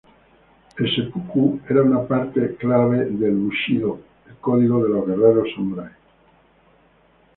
El "seppuku" era una parte clave del "bushidō", el código de los guerreros samurái.